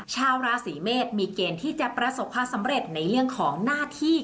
ชาวราศีเมษมีเกณฑ์ที่จะประสบความสำเร็จในเรื่องของหน้าที่